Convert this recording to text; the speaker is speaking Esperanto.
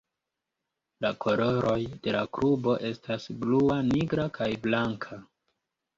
La koloroj de la klubo estas blua, nigra kaj blanka.